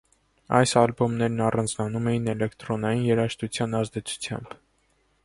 Այս ալբոմներն առանձնանում էին էլեկտրոնային երաժշտության ազդեցությամբ։